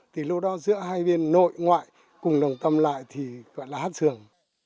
thì lúc đó giữa hai bên nội ngoại cùng đồng tâm lại thì gọi là hát sường